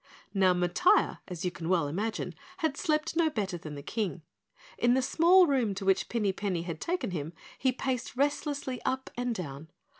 Now Matiah, as you can well imagine, had slept no better than the King. In the small room to which Pinny Penny had taken him, he paced restlessly up and down.